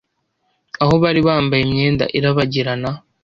aho bari bambaye imyenda irabagirana